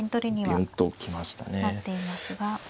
なっていますが。